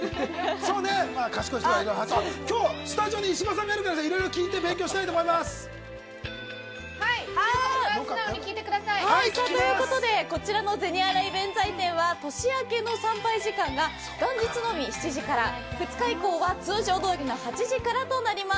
今日は、スタジオに石破さんがいるから、いろいろ聞いて素直に聞いてください。ということでこちらの銭洗弁財天は年明けの参拝時間が元日のみ７時から２日以降は通常どおりの８時からとなります。